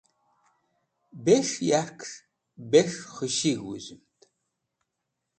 Bes̃h yarkẽsh bes̃h khushig̃h wũzumd.